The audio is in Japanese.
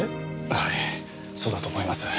はいそうだと思います。